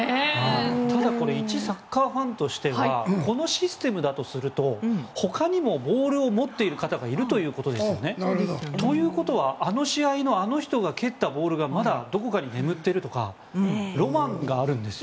ただいちサッカーファンとしてはこのシステムだとするとほかにもボールを持っている方がいるということですよね。ということはあの試合のあの人が蹴ったボールがまだどこかに眠ってるとかロマンがあるんです。